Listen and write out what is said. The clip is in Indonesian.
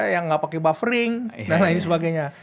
yang nggak pakai buffering dan lain sebagainya